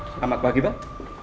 selamat pagi pak